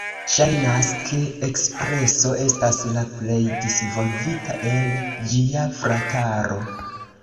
Ŝajnas ke Ekspreso estas la plej disvolvita el ĝia "frataro".